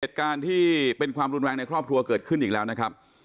เหตุการณ์ที่เป็นความรุนแรงในครอบครัวเกิดขึ้นอีกแล้วนะครับ